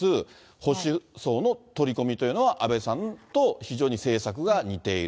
保守層の取り込みというのは安倍さんと非常に政策が似ている。